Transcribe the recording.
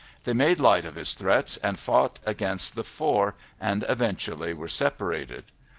They made light of his threats and fought against the four, and eventually were separated.